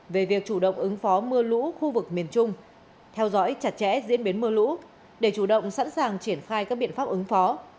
về việc chủ động ứng phó mưa lũ khu vực miền trung theo dõi chặt chẽ diễn biến mưa lũ để chủ động sẵn sàng triển khai các biện pháp ứng phó